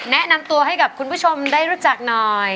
แนะนำตัวให้กับคุณผู้ชมได้รู้จักหน่อย